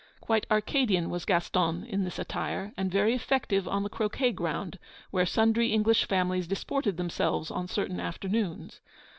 Quite Arcadian was Gaston in this attire; and very effective on the croquet ground, where sundry English families disported themselves on certain afternoons.